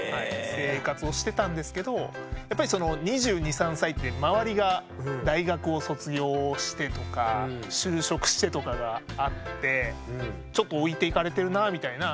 生活をしてたんですけどやっぱりその２２２３歳って周りが大学を卒業してとか就職してとかがあってちょっと置いていかれてるなみたいな。